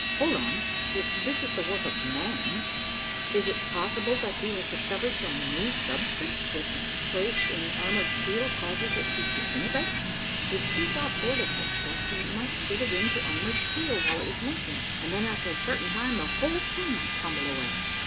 Hold on if this is the work of man, is it possible that he has discovered some new substance which, placed in armored steel, causes it to disintegrate? If he got hold of such stuff, he might get it into armored steel, while it was making, and then after a certain time the whole thing might crumble away."